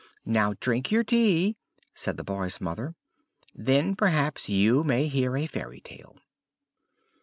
"Now drink your tea," said the boy's mother; "then, perhaps, you may hear a fairy tale."